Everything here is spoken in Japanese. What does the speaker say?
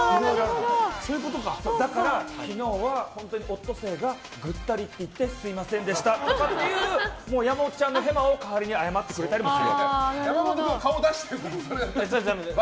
だから、昨日はオットセイがぐったりって言ってすみませんでしたという山本ちゃんのヘマを代わりに謝ってくれたりもする。